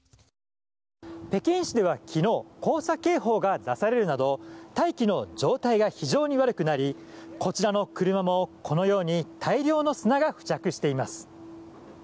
北京市では昨日黄砂警報が出されるなど大気の状態が非常に悪くなりこちらの車もこのように大量の砂が付着しています。